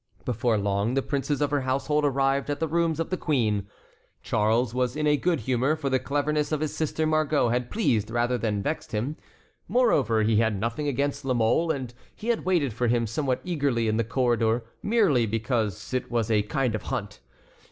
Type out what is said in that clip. Before long the princes of her household arrived at the rooms of the queen. Charles was in a good humor, for the cleverness of his sister Margot had pleased rather than vexed him. Moreover, he had nothing against La Mole, and he had waited for him somewhat eagerly in the corridor merely because it was a kind of hunt.